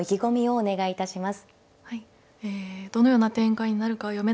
お願いします。